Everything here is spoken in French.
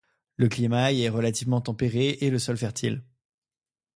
Le climat y est relativement tempéré et le sol fertile.